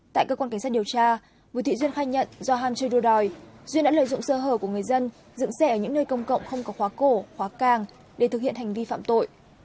tại cơ quan cảnh sát điều tra bùi thị duyên khai nhận do ham chơi đua đòi duyên đã lợi dụng sơ hở của người dân dựng xe ở những nơi công cộng không có khóa cổ khóa càng để thực hiện hành vi phạm tội